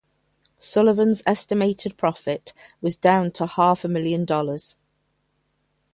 Sullivan's estimated profit was down to half a million dollars.